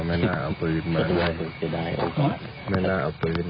ไม่น่าเอาตัวหยุดมาครับ